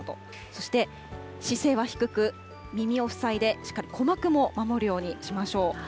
そして姿勢は低く、耳を塞いで、しっかり鼓膜も守るようにしましょう。